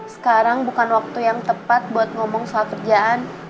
sekarang bukan waktu yang tepat buat ngomong soal kerjaan